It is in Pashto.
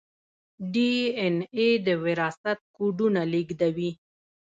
ډي این اې د وراثت کوډونه لیږدوي